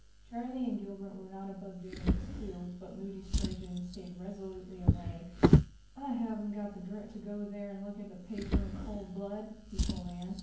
Charlie and Gilbert were not above doing this too, but Moody Spurgeon stayed resolutely away. "I haven't got the grit to go there and look at a paper in cold blood," he told Anne.